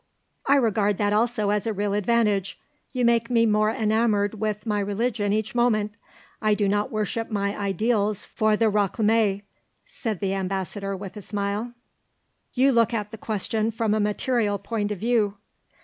"I regard that also as a real advantage; you make me more enamoured with my religion each moment. I do not worship my ideals for the reclamé," said the Ambassador with a smile. "You look at the question from a material point of view."